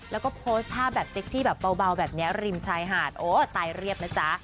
แล้วก็โพสต์ภาพแบบเซ็กซี่แบบเบาแบบนี้ริมชายหาดโอ้ตายเรียบนะจ๊ะ